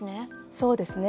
そうですね。